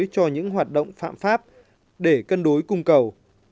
dẫn lối cho những hoạt động phạm pháp để cân đối cung cầu